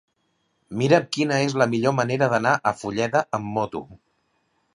Mira'm quina és la millor manera d'anar a Fulleda amb moto.